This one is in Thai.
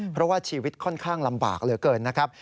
เพราะว่าชีวิตค่อนข้างลำบากเหลือเกินนะครับ